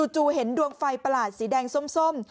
จู่เห็นดวงไฟประหลาดสีแดงส้ม